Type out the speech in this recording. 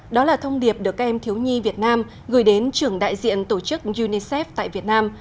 đó là thông điệp được các em thiếu nhi việt nam gửi đến trưởng đại diện tổ chức unicef tại việt nam